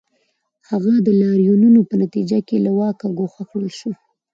هغه د لاریونونو په نتیجه کې له واکه ګوښه کړل شو.